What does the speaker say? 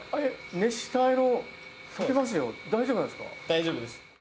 大丈夫です！